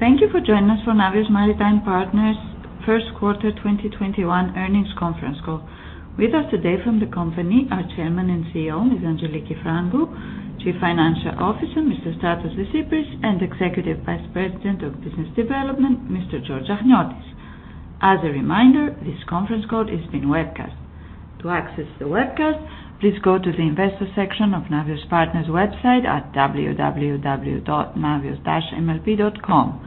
Thank you for joining us for Navios Maritime Partners first quarter 2021 earnings conference call. With us today from the company are Chairman and CEO, Ms. Angeliki Frangou, Chief Financial Officer, Mr. Stratos Desypris, and Executive Vice President of Business Development, Mr. George Achniotis. As a reminder, this conference call is being webcast. To access the webcast, please go to the investor section of Navios Partners website at www.navios-mlp.com.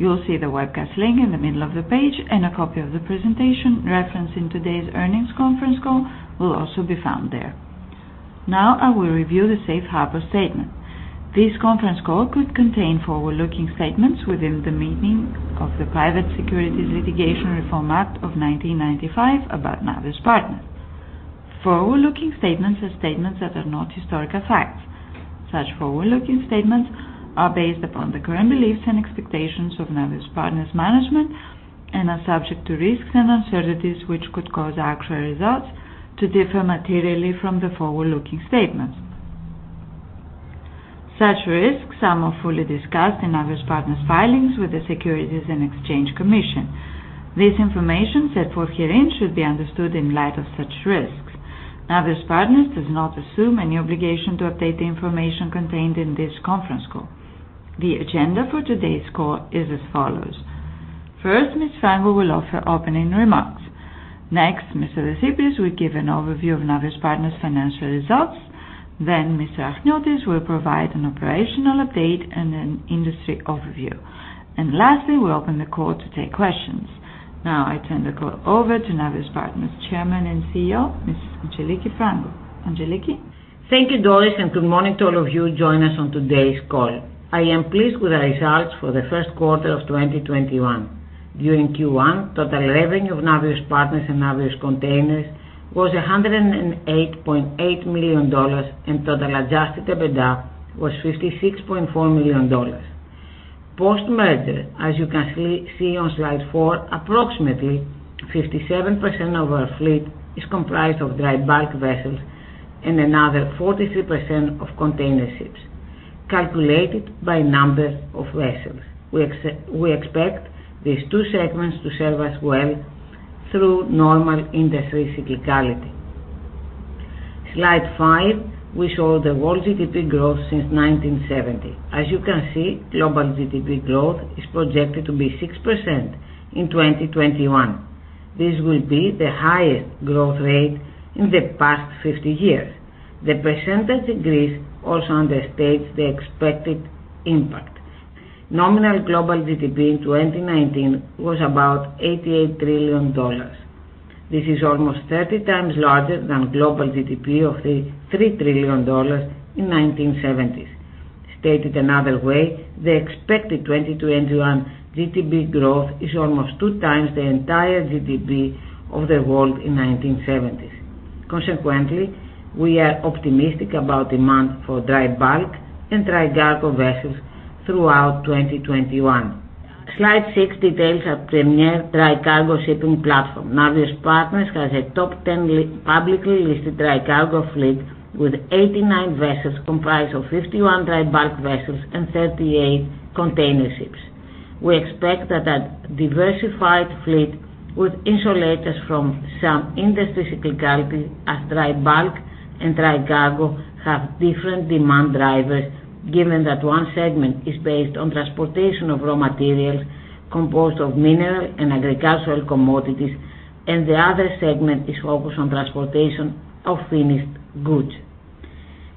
You will see the webcast link in the middle of the page, and a copy of the presentation referenced in today's earnings conference call will also be found there. Now I will review the Safe Harbor Statement. This conference call could contain forward-looking statements within the meaning of the Private Securities Litigation Reform Act of 1995 about Navios Partners. Forward-looking statements are statements that are not historical facts. Such forward-looking statements are based upon the current beliefs and expectations of Navios Partners management and are subject to risks and uncertainties which could cause actual results to differ materially from the forward-looking statements. Such risks are more fully discussed in Navios Partners' filings with the Securities and Exchange Commission. This information set forth herein should be understood in light of such risks. Navios Partners does not assume any obligation to update the information contained in this conference call. The agenda for today's call is as follows. First, Ms. Frangou will offer opening remarks. Next, Mr. Desypris will give an overview of Navios Partners' financial results. Mr. George Achniotis will provide an operational update and an industry overview. Lastly, we open the call to take questions. Now I turn the call over to Navios Partners Chairman and CEO, Ms. Angeliki Frangou. Angeliki? Thank you, Doris, and good morning to all of you joining us on today's call. I am pleased with the results for the first quarter of 2021. During Q1, total revenue of Navios Partners and Navios Containers was $108.8 million, and total adjusted EBITDA was $56.4 million. Post-merger, as you can see on slide four, approximately 57% of our fleet is comprised of dry bulk vessels and another 43% of container ships, calculated by number of vessels. We expect these two segments to serve us well through normal industry cyclicality. Slide five, we show the world GDP growth since 1970. As you can see, global GDP growth is projected to be 6% in 2021. This will be the highest growth rate in the past 50 years. The percentage increase also understates the expected impact. Nominal global GDP in 2019 was about $88 trillion. This is almost 30x larger than global GDP of $3 trillion in 1970s. Stated another way, the expected 2021 GDP growth is almost 2x the entire GDP of the world in 1970s. Consequently, we are optimistic about demand for dry bulk and dry cargo vessels throughout 2021. Slide six details our premier dry cargo shipping platform. Navios Partners has a top 10 publicly listed dry cargo fleet with 89 vessels comprised of 51 dry bulk vessels and 38 container ships. We expect that a diversified fleet would insulate us from some industry cyclicality, as dry bulk and dry cargo have different demand drivers, given that one segment is based on transportation of raw materials composed of mineral and agricultural commodities, and the other segment is focused on transportation of finished goods.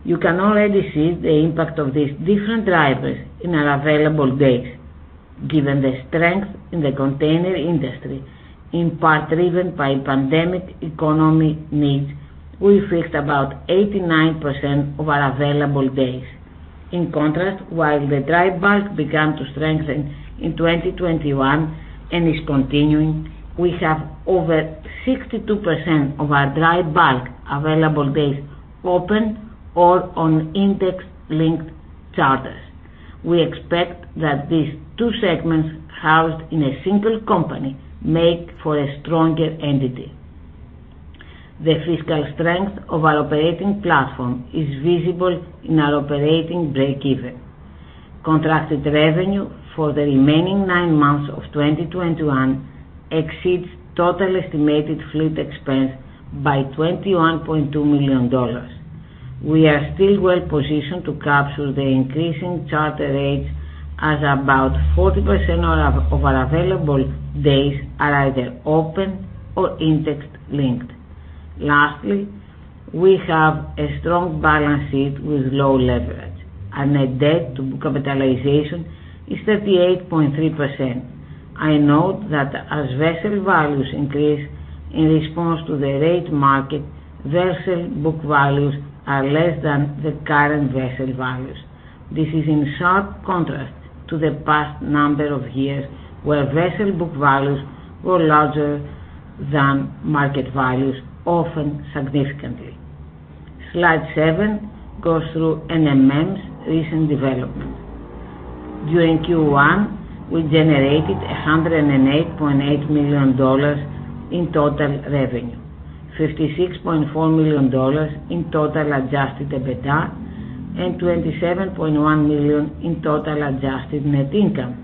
You can already see the impact of these different drivers in our available days. Given the strength in the container industry, in part driven by pandemic economy needs, we fixed about 89% of our available days. In contrast, while the dry bulk began to strengthen in 2021 and is continuing, we have over 62% of our dry bulk available days open or on index-linked charters. We expect that these two segments housed in a single company make for a stronger entity. The fiscal strength of our operating platform is visible in our operating breakeven. Contracted revenue for the remaining nine months of 2021 exceeds total estimated fleet expense by $21.2 million. We are still well positioned to capture the increasing charter rates, as about 40% of our available days are either open or index-linked. Lastly, we have a strong balance sheet with low leverage. Our net debt to capitalization is 38.3%. I note that as vessel values increase in response to the rate market, vessel book values are less than the current vessel values. This is in sharp contrast to the past number of years where vessel book values were larger than market values, often significantly. Slide seven goes through NMM's recent development. During Q1, we generated $108.8 million in total revenue. $56.4 million in total adjusted EBITDA and $27.1 million in total adjusted net income.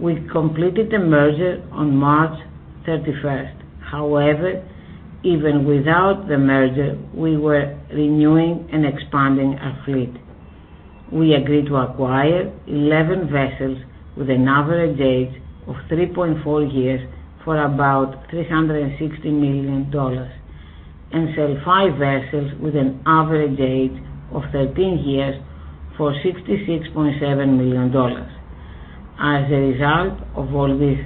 We completed the merger on March 31st. However, even without the merger, we were renewing and expanding our fleet. We agreed to acquire 11 vessels with an average age of 3.4 years for about $360 million and sell five vessels with an average age of 13 years for $66.7 million. As a result of all these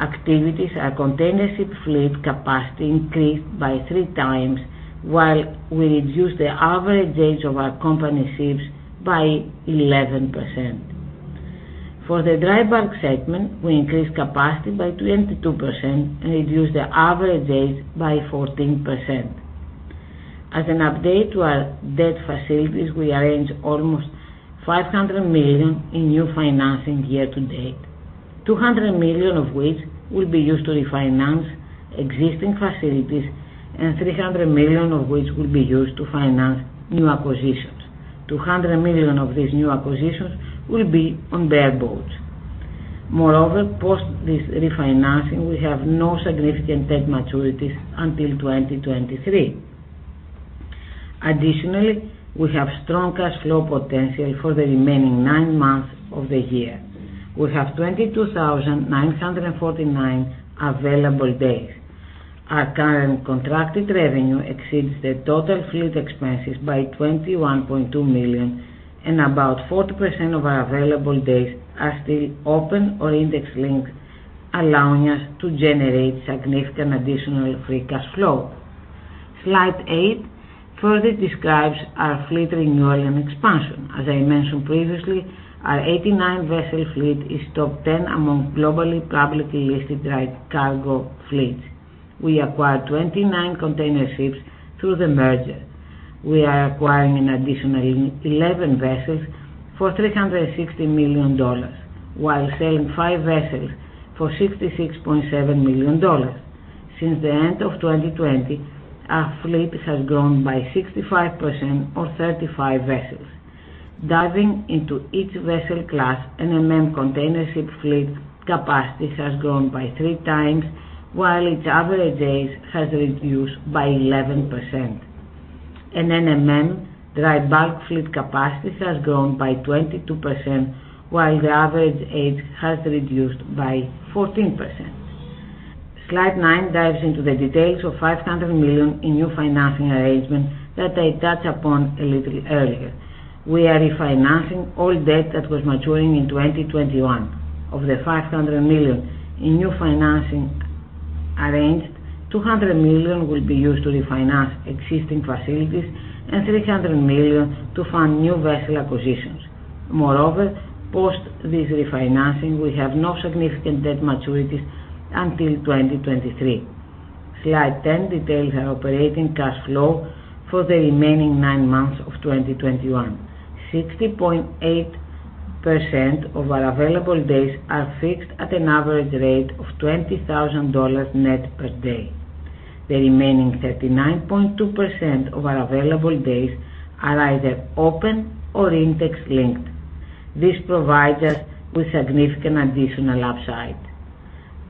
activities, our container ship fleet capacity increased by three times, while we reduced the average age of our company ships by 11%. For the dry bulk segment, we increased capacity by 22% and reduced the average age by 14%. As an update to our debt facilities, we arranged almost $500 million in new financing year to date, $200 million of which will be used to refinance existing facilities and $300 million of which will be used to finance new acquisitions. $200 million of these new acquisitions will be on bareboats. Moreover, post this refinancing, we have no significant debt maturities until 2023. Additionally, we have strong cash flow potential for the remaining nine months of the year. We have 22,949 available days. Our current contracted revenue exceeds the total fleet expenses by $21.2 million, and about 40% of our available days are still open or index-linked, allowing us to generate significant additional free cash flow. Slide eight further describes our fleet renewal and expansion. As I mentioned previously, our 89-vessel fleet is top 10 among globally publicly listed dry cargo fleets. We acquired 29 container ships through the merger. We are acquiring an additional 11 vessels for $360 million while selling five vessels for $66.7 million. Since the end of 2020, our fleet has grown by 65% or 35 vessels. Diving into each vessel class, NMM container ship fleet capacity has grown by three times, while its average age has reduced by 11%. In NMM, dry bulk fleet capacity has grown by 22%, while the average age has reduced by 14%. Slide nine dives into the details of $500 million in new financing arrangements that I touched upon a little earlier. We are refinancing all debt that was maturing in 2021. Of the $500 million in new financing arranged, $200 million will be used to refinance existing facilities and $300 million to fund new vessel acquisitions. Moreover, post this refinancing, we have no significant debt maturities until 2023. Slide 10 details our operating cash flow for the remaining nine months of 2021. 60.8% of our available days are fixed at an average rate of $20,000 net per day. The remaining 39.2% of our available days are either open or index linked. This provides us with significant additional upside.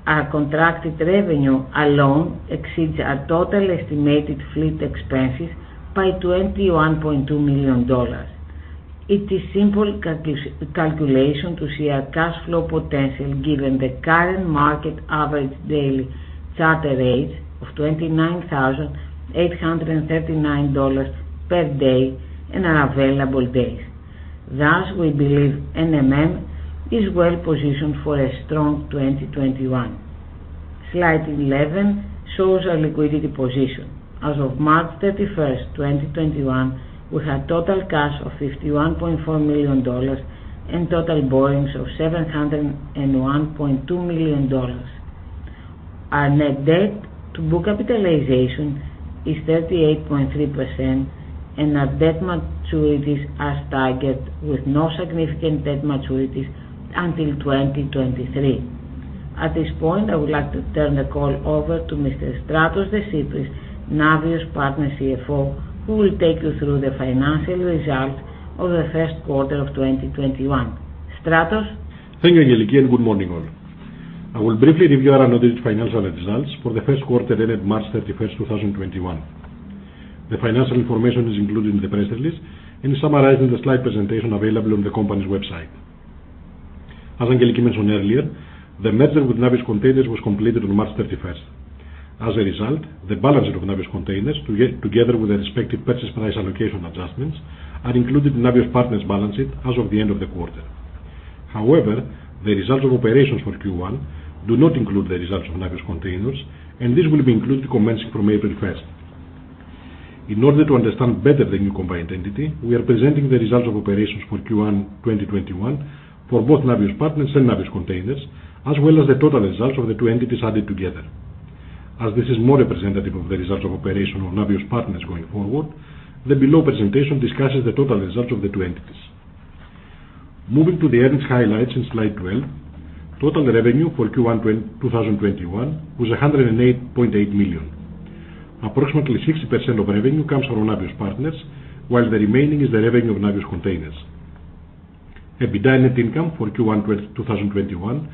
Our contracted revenue alone exceeds our total estimated fleet expenses by $21.2 million. It is a simple calculation to see our cash flow potential given the current market average daily charter rates of $29,839 per day and our available days. Thus, we believe NMM is well-positioned for a strong 2021. Slide 11 shows our liquidity position. As of March 31st, 2021, we had total cash of $51.4 million and total borrowings of $701.2 million. Our net debt to book capitalization is 38.3%, and our debt maturities are staggered with no significant debt maturities until 2023. At this point, I would like to turn the call over to Mr. Stratos Desypris, Navios Partners CFO, who will take you through the financial results of the first quarter of 2021. Stratos? Thank you, Angeliki, and good morning, all. I will briefly review our unaudited financial results for the first quarter ended March 31st, 2021. The financial information is included in the press release and is summarized in the slide presentation available on the company's website. As Angeliki mentioned earlier, the merger with Navios Containers was completed on March 31st. As a result, the balance of Navios Containers, together with the respective purchase price allocation adjustments, are included in Navios Partners balance sheet as of the end of the quarter. However, the results of operations for Q1 do not include the results of Navios Containers, and this will be included commencing from April 1st. In order to understand better the new combined entity, we are presenting the results of operations for Q1 2021 for both Navios Partners and Navios Containers, as well as the total results of the two entities added together. As this is more representative of the results of operation of Navios Partners going forward, the below presentation discusses the total results of the two entities. Moving to the earnings highlights in slide 12, total revenue for Q1 2021 was $108.8 million. Approximately 60% of revenue comes from Navios Partners, while the remaining is the revenue of Navios Containers. EBITDA net income for Q1 2021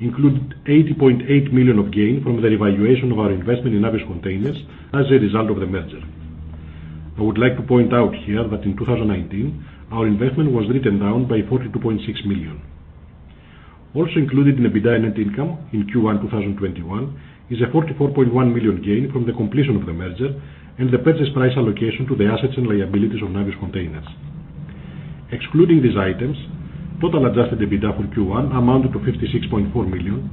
included $80.8 million of gain from the revaluation of our investment in Navios Containers as a result of the merger. I would like to point out here that in 2019, our investment was written down by $42.6 million. Also included in EBITDA net income in Q1 2021 is a $44.1 million gain from the completion of the merger and the purchase price allocation to the assets and liabilities of Navios Containers. Excluding these items, total adjusted EBITDA for Q1 amounted to $56.4 million,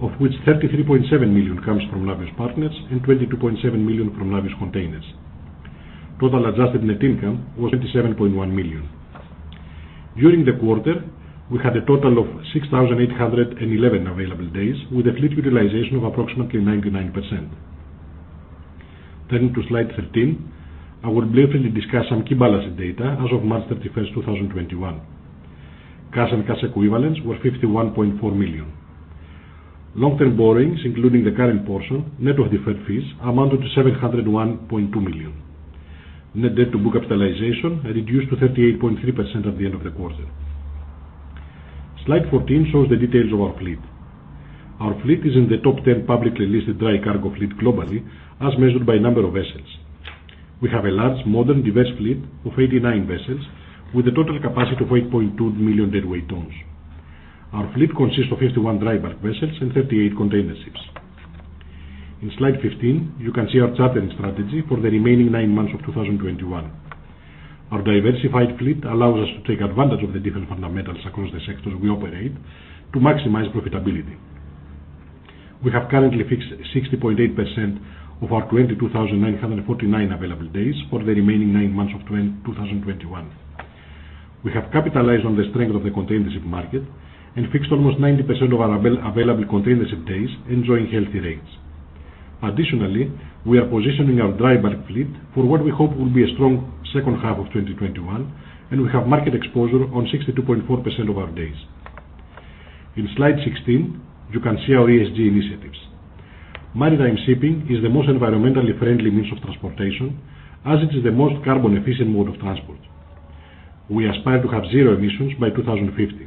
of which $33.7 million comes from Navios Partners and $22.7 million from Navios Containers. Total adjusted net income was $27.1 million. During the quarter, we had a total of 6,811 available days with a fleet utilization of approximately 99%. Turning to slide 13, I will briefly discuss some key balance data as of March 31st, 2021. Cash and cash equivalents were $51.4 million. Long-term borrowings, including the current portion net of deferred fees, amounted to $701.2 million. Net debt to book capitalization reduced to 38.3% at the end of the quarter. Slide 14 shows the details of our fleet. Our fleet is in the top 10 publicly listed dry cargo fleet globally, as measured by number of vessels. We have a large, modern, diverse fleet of 89 vessels, with a total capacity of 8.2 million deadweight tons. Our fleet consists of 51 dry bulk vessels and 38 container ships. In slide 15, you can see our chartering strategy for the remaining nine months of 2021. Our diversified fleet allows us to take advantage of the different fundamentals across the sectors we operate to maximize profitability. We have currently fixed 60.8% of our 22,949 available days for the remaining nine months of 2021. We have capitalized on the strength of the containership market and fixed almost 90% of our available containership days, enjoying healthy rates. Additionally, we are positioning our dry bulk fleet for what we hope will be a strong second half of 2021, and we have market exposure on 62.4% of our days. In slide 16, you can see our ESG initiatives. Maritime shipping is the most environmentally friendly means of transportation, as it is the most carbon-efficient mode of transport. We aspire to have zero emissions by 2050.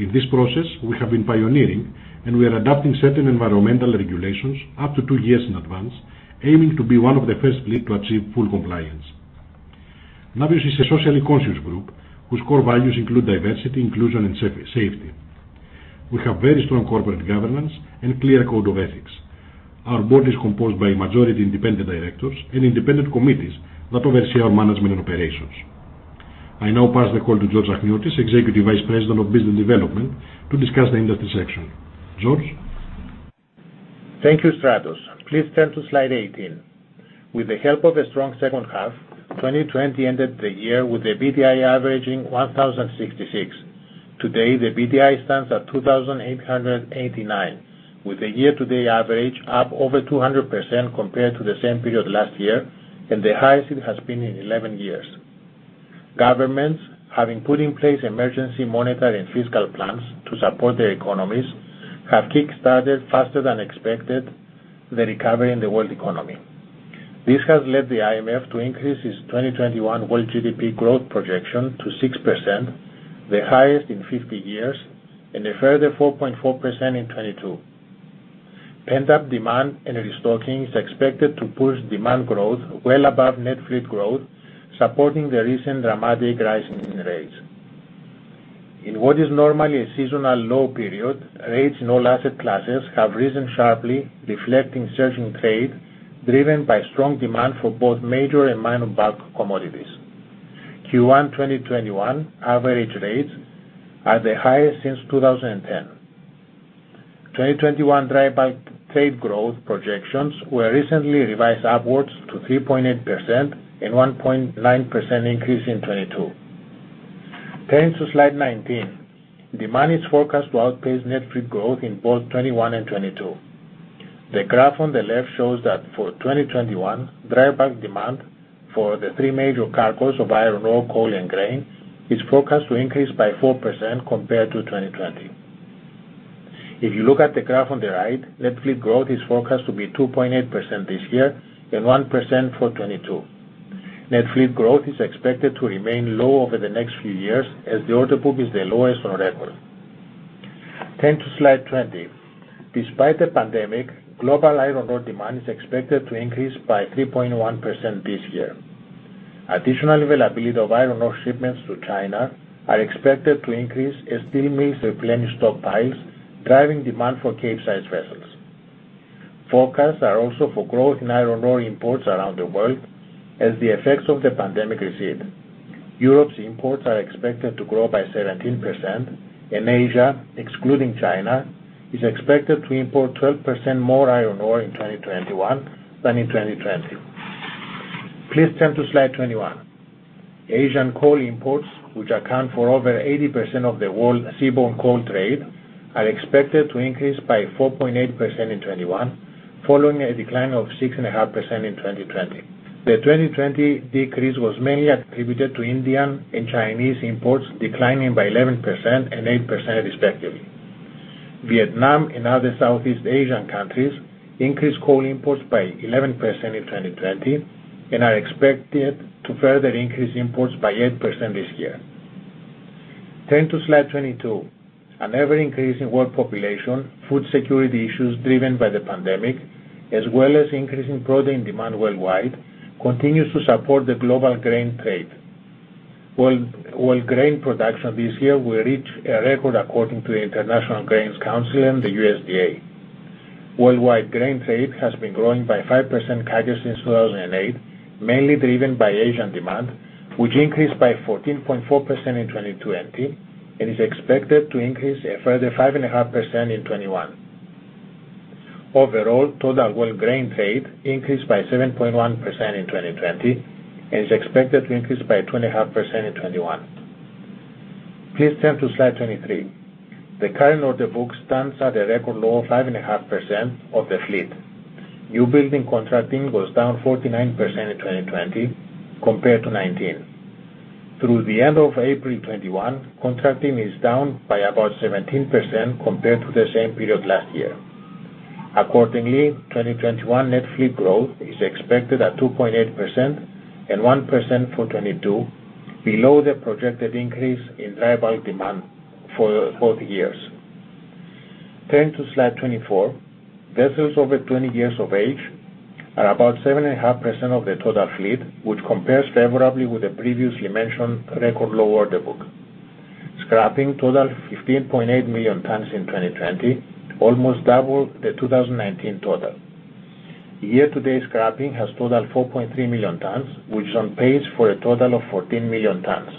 In this process, we have been pioneering, and we are adopting certain environmental regulations up to two years in advance, aiming to be one of the first fleet to achieve full compliance. Navios is a socially conscious group whose core values include diversity, inclusion, and safety. We have very strong corporate governance and clear code of ethics. Our board is composed by majority independent directors and independent committees that oversee our management and operations. I now pass the call to George Achniotis, Executive Vice President of Business Development, to discuss the industry section. George? Thank you, Stratos. Please turn to slide 18. With the help of a strong second half, 2020 ended the year with the BDI averaging 1,066. Today, the BDI stands at 2,889, with the year-to-date average up over 200% compared to the same period last year, and the highest it has been in 11 years. Governments, having put in place emergency monetary and fiscal plans to support their economies, have kickstarted faster than expected the recovery in the world economy. This has led the IMF to increase its 2021 world GDP growth projection to 6%, the highest in 50 years, and a further 4.4% in 2022. Pent-up demand and restocking is expected to push demand growth well above net fleet growth, supporting the recent dramatic rise in rates. In what is normally a seasonal low period, rates in all asset classes have risen sharply, reflecting surging trade driven by strong demand for both major and minor bulk commodities. Q1 2021 average rates are the highest since 2010. 2021 dry bulk trade growth projections were recently revised upwards to 3.8% and 1.9% increase in 2022. Turning to slide 19, demand is forecast to outpace net fleet growth in both 2021 and 2022. The graph on the left shows that for 2021, dry bulk demand for the three major cargoes of iron ore, coal, and grain is forecast to increase by 4% compared to 2020. If you look at the graph on the right, net fleet growth is forecast to be 2.8% this year and 1% for 2022. Net fleet growth is expected to remain low over the next few years as the order book is the lowest on record. Turn to slide 20. Despite the pandemic, global iron ore demand is expected to increase by 3.1% this year. Additional availability of iron ore shipments to China are expected to increase as steel mills replenish stockpiles, driving demand for Capesize vessels. Forecasts are also for growth in iron ore imports around the world as the effects of the pandemic recede. Europe's imports are expected to grow by 17%. Asia, excluding China, is expected to import 12% more iron ore in 2021 than in 2020. Please turn to slide 21. Asian coal imports, which account for over 80% of the world seaborne coal trade, are expected to increase by 4.8% in 2021. Following a decline of 6.5% in 2020. The 2020 decrease was mainly attributed to Indian and Chinese imports declining by 11% and 8% respectively. Vietnam and other Southeast Asian countries increased coal imports by 11% in 2020 and are expected to further increase imports by 8% this year. Turn to slide 22. An ever-increasing world population, food security issues driven by the pandemic, as well as increasing protein demand worldwide, continues to support the global grain trade. World grain production this year will reach a record according to the International Grains Council and the USDA. Worldwide grain trade has been growing by 5% CAGR since 2008, mainly driven by Asian demand, which increased by 14.4% in 2020 and is expected to increase a further 5.5% in 2021. Overall, total world grain trade increased by 7.1% in 2020 and is expected to increase by 2.5% in 2021. Please turn to slide 23. The current order book stands at a record low of 5.5% of the fleet. New building contracting was down 49% in 2020 compared to 2019. Through the end of April 2021, contracting is down by about 17% compared to the same period last year. Accordingly, 2021 net fleet growth is expected at 2.8% and 1% for 2022, below the projected increase in dry bulk demand for both years. Turn to slide 24. Vessels over 20 years of age are about 7.5% of the total fleet, which compares favorably with the previously mentioned record low order book. Scrapping totaled 15.8 million tons in 2020, almost double the 2019 total. Year-to-date scrapping has totaled 4.3 million tons, which is on pace for a total of 14 million tons.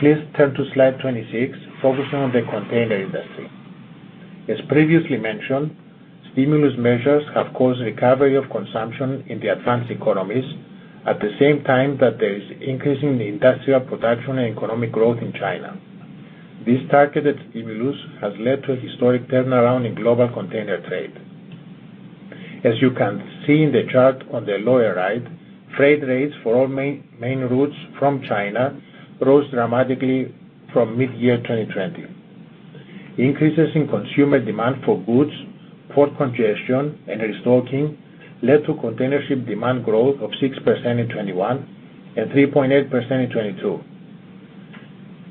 Please turn to slide 26, focusing on the container industry. As previously mentioned, stimulus measures have caused recovery of consumption in the advanced economies at the same time that there is increase in the industrial production and economic growth in China. This targeted stimulus has led to a historic turnaround in global container trade. As you can see in the chart on the lower right, freight rates for all main routes from China rose dramatically from mid-year 2020. Increases in consumer demand for goods, port congestion, and restocking led to containership demand growth of 6% in 2021 and 3.8% in 2022.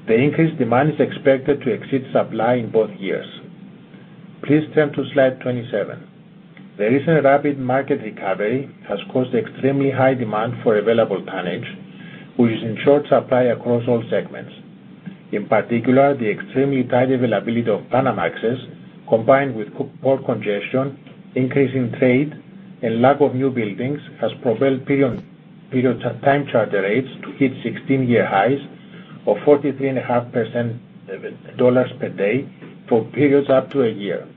The increased demand is expected to exceed supply in both years. Please turn to slide 27. The recent rapid market recovery has caused extremely high demand for available tonnage, which is in short supply across all segments. In particular, the extremely tight availability of Panamax, combined with port congestion, increase in trade, and lack of new buildings, has propelled period time charter rates to hit 16 year highs of $43.5 per day for periods up to a year.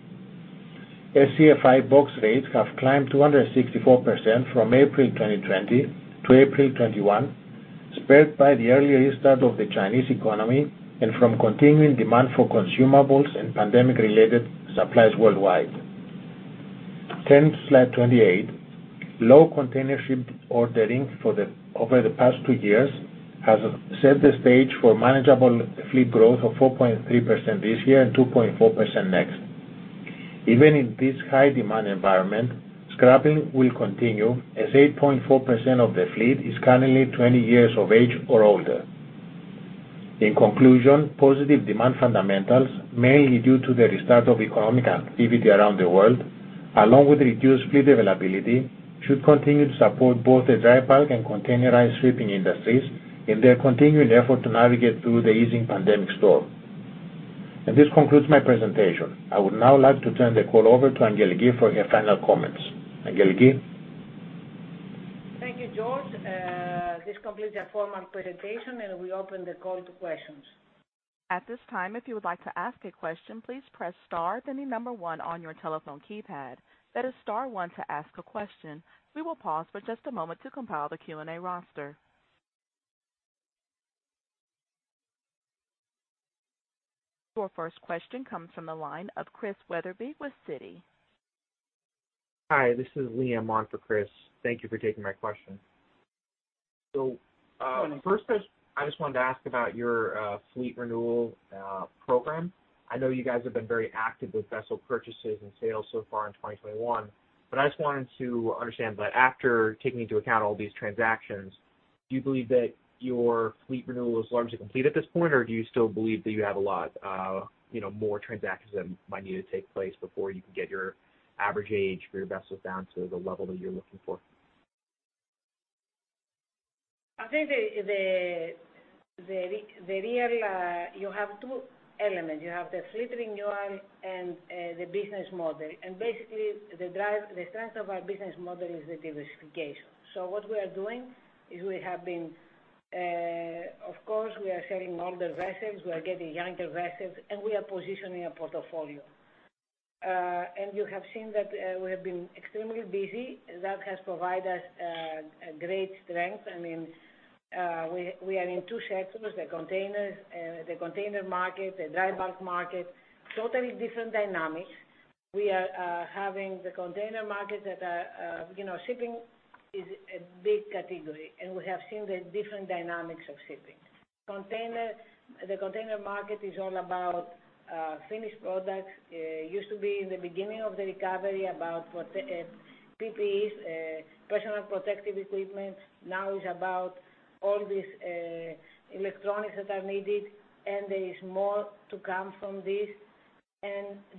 SCFI box rates have climbed 264% from April 2020 to April 2021, spurred by the early restart of the Chinese economy and from continuing demand for consumables and pandemic-related supplies worldwide. Turn to slide 28. Low containership ordering over the past two years has set the stage for manageable fleet growth of 4.3% this year and 2.4% next. Even in this high-demand environment, scrapping will continue as 8.4% of the fleet is currently 20 years of age or older. In conclusion, positive demand fundamentals, mainly due to the restart of economic activity around the world, along with reduced fleet availability, should continue to support both the dry bulk and containerized shipping industries in their continuing effort to navigate through the easing pandemic storm. This concludes my presentation. I would now like to turn the call over to Angeliki for her final comments. Angeliki? Thank you, George. This completes our formal presentation, and we open the call to questions. Your first question comes from the line of Christian Wetherbee with Citi. Hi, this is Liam on for Chris. Thank you for taking my question. Sure. First, I just wanted to ask about your fleet renewal program. I know you guys have been very active with vessel purchases and sales so far in 2021. I just wanted to understand that after taking into account all these transactions, do you believe that your fleet renewal is largely complete at this point, or do you still believe that you have a lot more transactions that might need to take place before you can get your average age for your vessels down to the level that you're looking for? I think you have two elements. You have the fleet renewal and the business model. Basically, the strength of our business model is the diversification. What we are doing is we have been, of course, we are selling older vessels, we are getting younger vessels, and we are positioning a portfolio. You have seen that we have been extremely busy. That has provided us a great strength. I mean, we are in two sectors, the container market, the dry bulk market, totally different dynamics. We are having the container market. shipping is a big category, and we have seen the different dynamics of shipping. The container market is all about finished products. It used to be in the beginning of the recovery about PPE, personal protective equipment. Now it's about all these electronics that are needed, and there is more to come from this...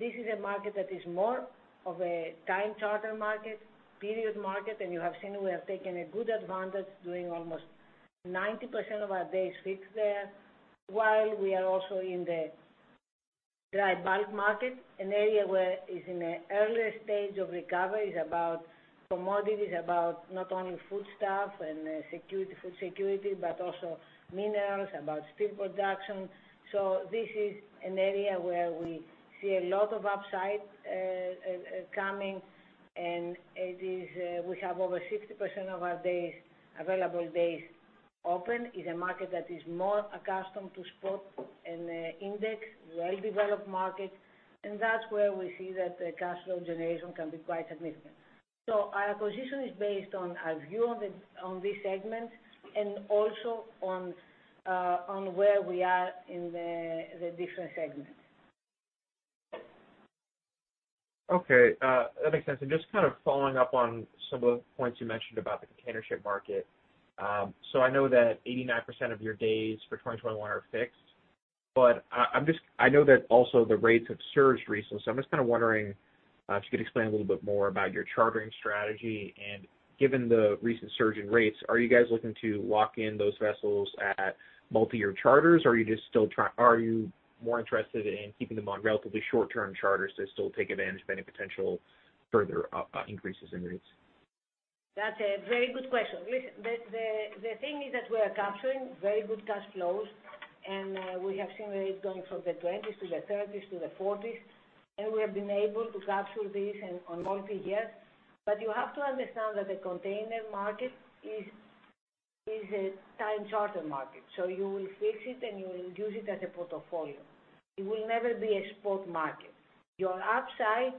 This is a market that is more of a time charter market, period market. You have seen we have taken a good advantage doing almost 90% of our days fixed there, while we are also in the dry bulk market, an area where is in an earlier stage of recovery, is about commodities, about not only foodstuff and food security, but also minerals, about steel production. This is an area where we see a lot of upside coming, and we have over 60% of our available days open, is a market that is more accustomed to spot and index, well-developed market. That's where we see that the cash flow generation can be quite significant. Our acquisition is based on our view on this segment and also on where we are in the different segments. Okay, that makes sense. Just kind of following up on some of the points you mentioned about the container ship market. I know that 89% of your days for 2021 are fixed, but I know that also the rates have surged recently. I'm just kind of wondering if you could explain a little bit more about your chartering strategy, and given the recent surge in rates, are you guys looking to lock in those vessels at multi-year charters or are you more interested in keeping them on relatively short-term charters to still take advantage of any potential further increases in rates? That's a very good question. Listen, the thing is that we are capturing very good cash flows, and we have seen rates going from the 20s to the 30s to the 40s, and we have been able to capture this on multi years. You have to understand that the container market is a time charter market, so you will fix it and you will use it as a portfolio. It will never be a spot market. Your upside,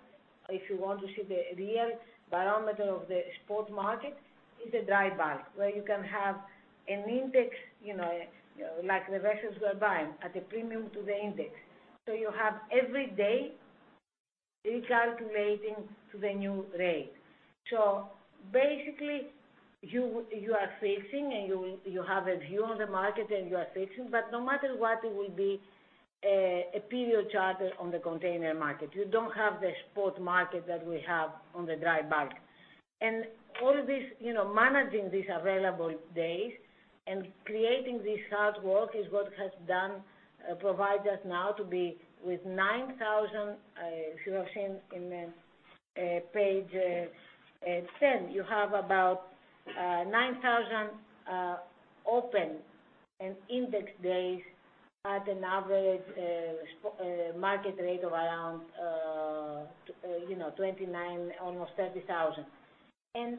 if you want to see the real barometer of the spot market, is a dry bulk, where you can have an index, like the vessels we are buying at a premium to the index. You have every day recalculating to the new rate. Basically, you have a view on the market and you are fixing, but no matter what, it will be a period charter on the container market. You don't have the spot market that we have on the dry bulk. All this, managing these available days and creating this hard work is what has done provide us now to be with 9,000, if you have seen in page 10, you have about 9,000 open and index days at an average market rate of around almost $30,000.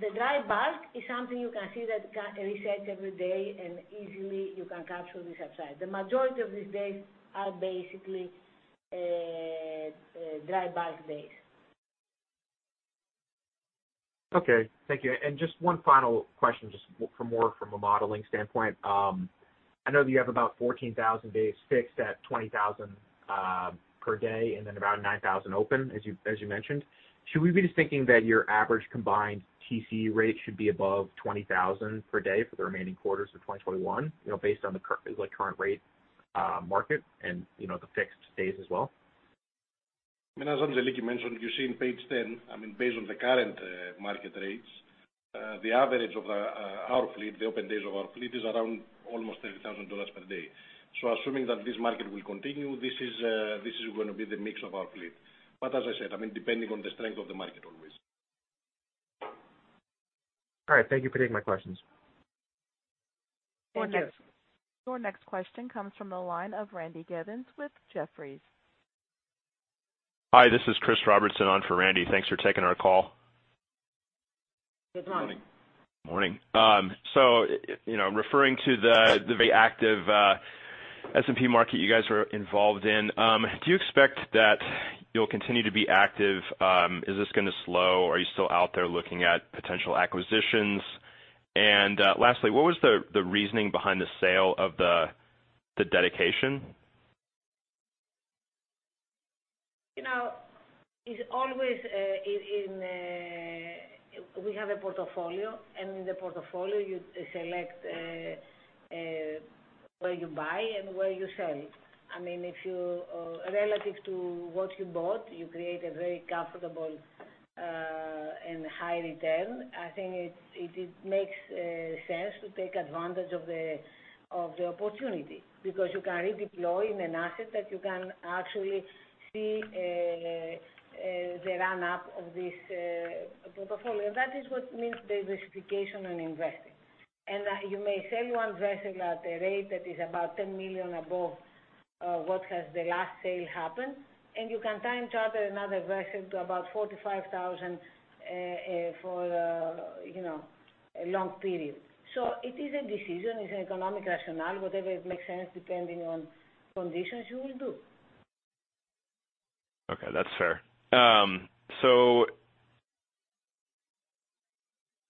The dry bulk is something you can see that resets every day, and easily you can capture this upside. The majority of these days are basically dry bulk days. Okay. Thank you. Just one final question, just for more from a modeling standpoint. I know that you have about 14,000 days fixed at $20,000 per day, and then about 9,000 open, as you mentioned. Should we be just thinking that your average combined TC rate should be above $20,000 per day for the remaining quarters of 2021, based on the current rate market and the fixed days as well? I mean, as Angeliki mentioned, you see in page 10, based on the current market rates, the average of our fleet, the open days of our fleet is around almost $30,000 per day. Assuming that this market will continue, this is going to be the mix of our fleet. As I said, depending on the strength of the market always. All right. Thank you for taking my questions. Thank you. Your next question comes from the line of Randy Giveans with Jefferies. Hi, this is Christopher Robertson on for Randy. Thanks for taking our call. Good morning. Morning. Referring to the very active S&P market you guys are involved in, do you expect that you'll continue to be active? Is this going to slow? Are you still out there looking at potential acquisitions? Lastly, what was the reasoning behind the sale of the Dedication? We have a portfolio. In the portfolio, you select where you buy and where you sell. I mean, if you, relative to what you bought, you create a very comfortable and high return, I think it makes sense to take advantage of the opportunity because you can redeploy in an asset that you can actually see the run-up of this portfolio. That is what means the diversification and investing. You may sell one vessel at a rate that is about $10 million above what has the last sale happened, and you can time charter another vessel to about $45,000 for a long period. It is a decision, it's an economic rationale. Whatever makes sense, depending on conditions, you will do. Okay, that's fair. I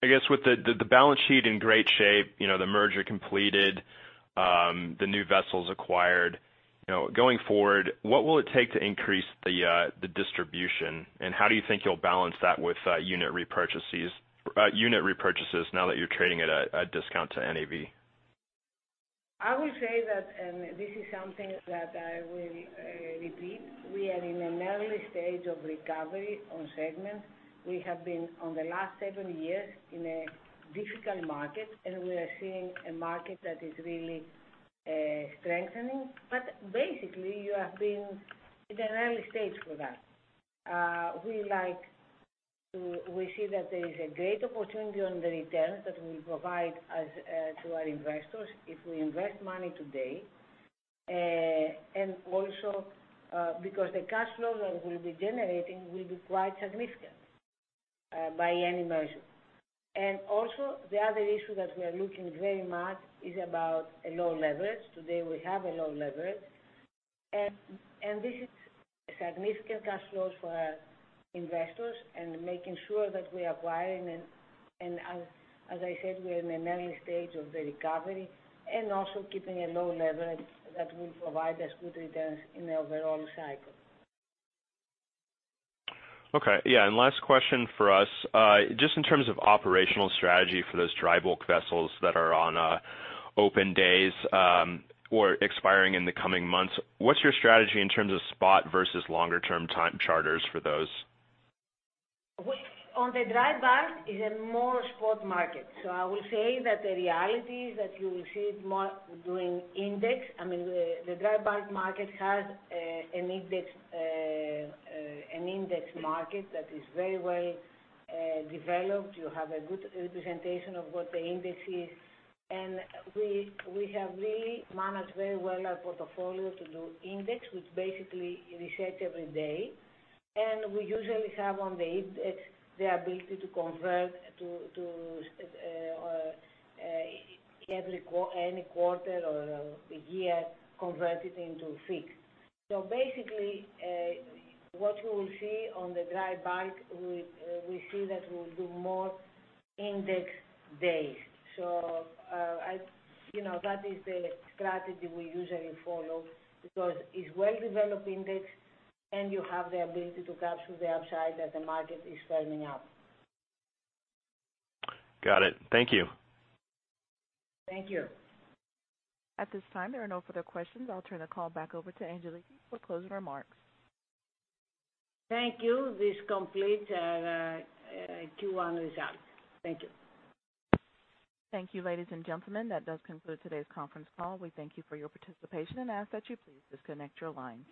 guess with the balance sheet in great shape, the merger completed, the new vessels acquired, going forward, what will it take to increase the distribution, and how do you think you'll balance that with unit repurchases now that you're trading at a discount to NAV? I would say that this is something that I will repeat. We are in an early stage of recovery on segments. We have been, on the last seven years, in a difficult market, and we are seeing a market that is really strengthening. Basically, you have been in an early stage for that. We see that there is a great opportunity on the returns that will provide to our investors if we invest money today, and also because the cash flow that we'll be generating will be quite significant by any measure. Also, the other issue that we are looking very much is about a low leverage. Today, we have a low leverage. This is significant cash flows for our investors and making sure that we are acquiring, and as I said, we are in an early stage of the recovery, and also keeping a low leverage that will provide us good returns in the overall cycle. Okay. Yeah, last question for us. Just in terms of operational strategy for those dry bulk vessels that are on open days or expiring in the coming months, what is your strategy in terms of spot versus longer-term time charters for those? On the dry bulk is a more spot market. I would say that the reality is that you will see it more doing index. I mean, the dry bulk market has an index market that is very well developed. You have a good representation of what the index is. We have really managed very well our portfolio to do index, which basically resets every day. We usually have on the index the ability to convert any quarter or year, convert it into fixed. Basically, what we will see on the dry bulk, we see that we'll do more index days. That is the strategy we usually follow because it's well-developed index, and you have the ability to capture the upside as the market is firming up. Got it. Thank you. Thank you. At this time, there are no further questions. I'll turn the call back over to Angeliki for closing remarks. Thank you. This completes our Q1 results. Thank you. Thank you, ladies and gentlemen. That does conclude today's conference call. We thank you for your participation and ask that you please disconnect your line.